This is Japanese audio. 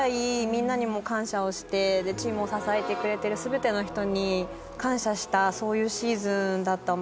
みんなにも感謝をしてチームを支えてくれてる全ての人に感謝したそういうシーズンだったので。